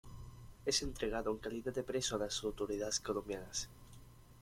Es entregado en calidad de preso a las autoridades colombianas.